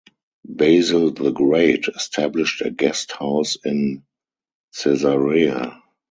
Basil the Great established a guest house in Caesarea.